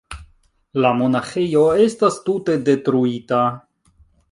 La monaĥejo estas tute detruita.